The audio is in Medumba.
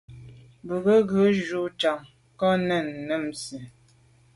Bwɔ́ŋkə́h à’ghə̀ jʉ́ chàŋ ká nɛ́ɛ̀n nɔɔ́nsí.